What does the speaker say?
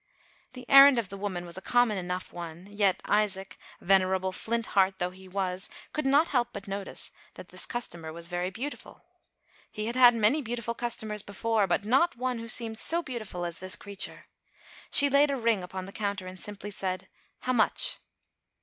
The errand of the woman was a common enough one, yet Isaac, venerable flint heart though he was, could not help but notice that this customer was very beautiful. He had had many beautiful customers before, but not one who seemed so beautiful as this creature. She laid a ring upon the counter and simply said " How much